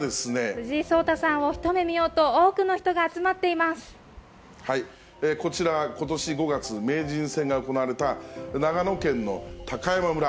藤井聡太さんを一目見ようと、こちらはことし５月、名人戦が行われた、長野県の高山村。